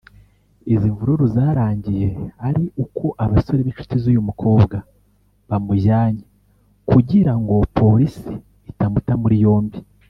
Izi mvururu zarangiye ari uko abasore b’inshuti z’uyu mukobwa bamujyanye kugira ngo polisi itamuta muri yombi